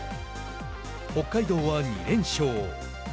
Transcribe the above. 北海道は２連勝。